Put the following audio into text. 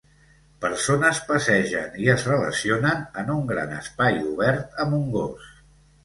Persones passegen i es relacionen en un gran espai obert amb un gos.